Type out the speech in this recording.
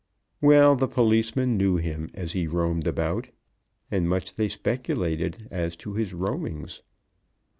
Well the policemen knew him as he roamed about, and much they speculated as to his roamings.